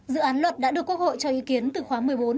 dự án luật đã được quốc hội cho ý kiến từ khóa một mươi bốn